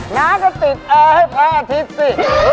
น้าก็ติดแอร์ให้พระอาทิตย์สิ